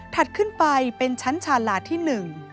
ขึ้นไปเป็นชั้นชาลาที่หนึ่ง